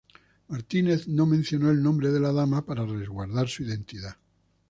Martínez no mencionó el nombre de la dama para resguardar su identidad.